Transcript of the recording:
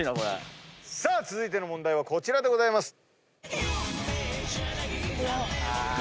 さあ続いての問題はこちらでございます。